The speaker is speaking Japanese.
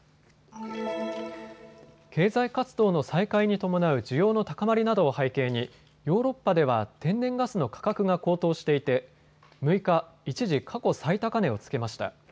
経済活動の再開に伴う需要の高まりなどを背景にヨーロッパでは天然ガスの価格が高騰していて６日、一時、過去最高値をつけました。